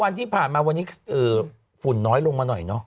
วันที่ผ่านมาวันนี้ฝุ่นน้อยลงมาหน่อยเนอะ